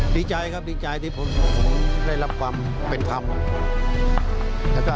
ดีใจครับดีใจดีใจที่ผมได้รับความเป็นทำ